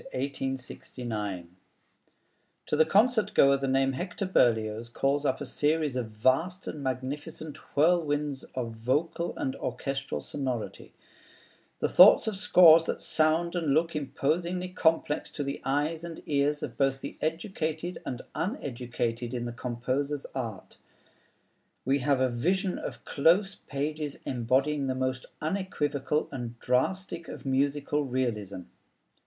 HECTOR BERLIOZ (1803 1869) To the concert goer the name Hector Berlioz calls up a series of vast and magnificent whirlwinds of vocal and orchestral sonority, the thoughts of scores that sound and look imposingly complex to the eyes and ears of both the educated and uneducated in the composer's art. We have a vision of close pages embodying the most unequivocal and drastic of musical "realism."